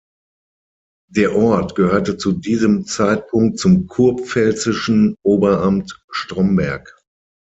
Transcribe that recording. Der Ort gehörte zu diesem Zeitpunkt zum Kurpfälzischen Oberamt Stromberg.